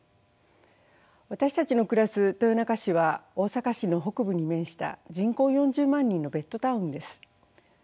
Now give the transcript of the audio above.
私たちの暮らす豊中市は大阪市の北部に面した人口４０万人のベッドタウンです。